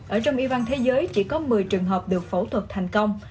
ở trong y văn thế giới chỉ có một mươi trường hợp được phẫu thuật thành công